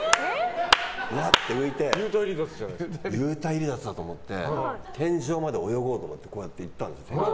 幽体離脱だと思って天井まで泳ごうと思ってこうやっていったんです。